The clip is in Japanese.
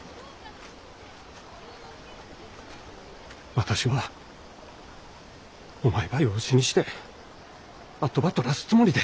私はお前ば養子にして跡ばとらすつもりで。